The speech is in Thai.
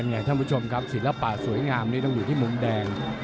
ท่านผู้ชมครับศิลปะสวยงามนี่ต้องอยู่ที่มุมแดง